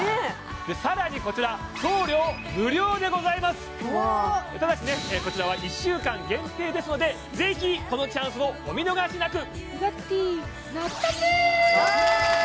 さらにこちらただしねこちらは１週間限定ですのでぜひこのチャンスをお見逃しなく！